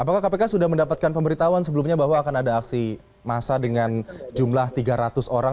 apakah kpk sudah mendapatkan pemberitahuan sebelumnya bahwa akan ada aksi massa dengan jumlah tiga ratus orang